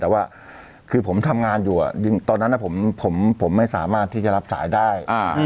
แต่ว่าคือผมทำงานอยู่ตอนนั้นผมไม่สามารถที่จะรับสายได้